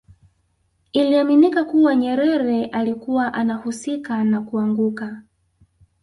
Iliaminika kuwa Nyerere alikuwa anahusika na kuanguka